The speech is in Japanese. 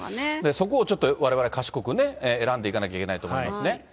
そこをちょっとわれわれ、賢く選んでいかないといけないと思いますね。